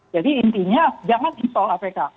jadi intinya jangan install apk